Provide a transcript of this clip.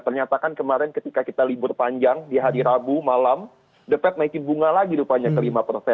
ternyata kan kemarin ketika kita libur panjang di hari rabu malam the fed naikin bunga lagi rupanya ke lima persen